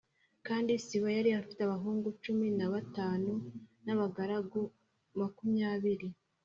Kandi Siba yari afite abahungu cumi na batanu n’abagaragu makumyabiri.